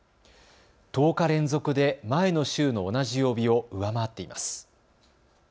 １０日連続で前の週の同じ曜日を上回っています。